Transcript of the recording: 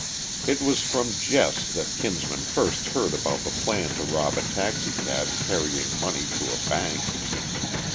It was from Jess that Kinsman first heard about the plan to rob a taxicab carrying money to a bank.